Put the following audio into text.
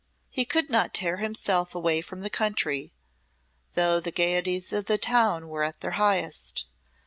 He could not tear himself away from the country, though the gayeties of the town were at their highest.